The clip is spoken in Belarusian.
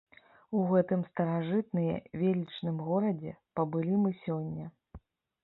У гэтым старажытныя велічным горадзе пабылі мы сёння.